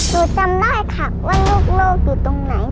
หนูจำได้ค่ะว่าลูกอยู่ตรงไหน